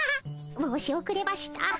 申しおくれました